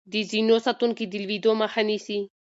د زينو ساتونکي د لوېدو مخه نيسي.